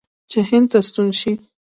چې هند ته ستون شي.